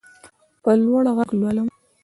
په لوړ غږ لولم.